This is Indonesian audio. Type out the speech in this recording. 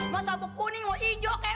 mau sabuk kuning mau ijo kek